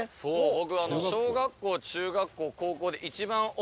僕」